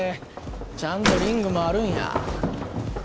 ちゃんとリングもあるんや。